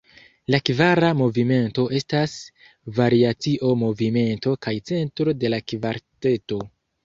La kvara movimento estas variacio-movimento kaj centro de la kvarteto.